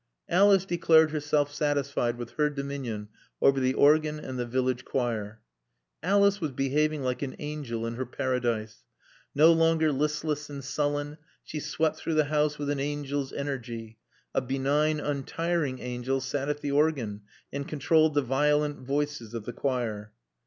Alice declared herself satisfied with her dominion over the organ and the village choir. Alice was behaving like an angel in her Paradise. No longer listless and sullen, she swept through the house with an angel's energy. A benign, untiring angel sat at the organ and controlled the violent voices of the choir.